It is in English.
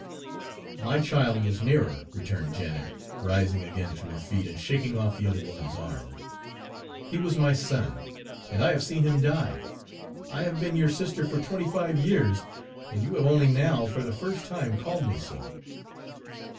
"My child was nearer," returned Janet, rising again to her feet and shaking off the other woman's arm. "He was my son, and I have seen him die. I have been your sister for twenty five years, and you have only now, for the first time, called me so!"